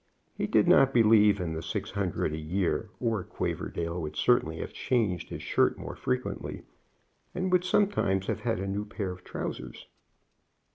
He did not believe in the six hundred a year, or Quaverdale would certainly have changed his shirt more frequently, and would sometimes have had a new pair of trousers.